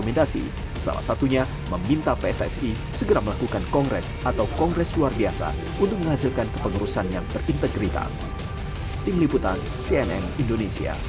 menpora menegaskan agar pssi dan pssi nya akan berjalan dengan baik